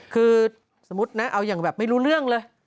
คือสมมุตินะเอาอย่างแบบไม่รู้เรื่องเลย